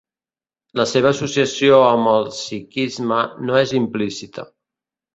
La seva associació amb el sikhisme no és implícita.